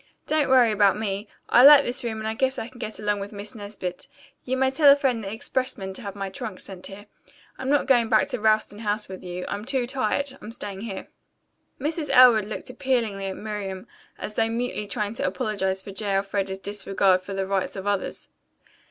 "Don't worry about me. I like this room and I guess I can get along with Miss Nesbit. You may telephone the expressman to have my trunk sent here. I'm not going back to Ralston House with you. I'm too tired. I'm going to stay here." Mrs. Elwood looked appealingly at Miriam, as though mutely trying to apologize for J. Elfreda's disregard for the rights of others.